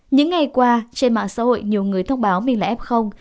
những ngày qua trên mạng xã hội nhiều người thông báo mình là ép không